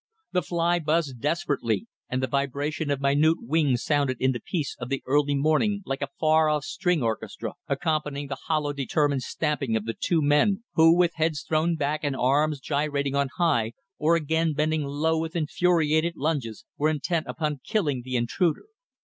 The fly buzzed desperately, and the vibration of minute wings sounded in the peace of the early morning like a far off string orchestra accompanying the hollow, determined stamping of the two men, who, with heads thrown back and arms gyrating on high, or again bending low with infuriated lunges, were intent upon killing the intruder.